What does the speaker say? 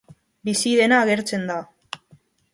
Bizi dena agertzen da!